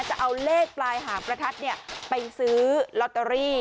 จะเอาเลขปลายหางประทัดไปซื้อลอตเตอรี่